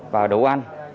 và đủ ăn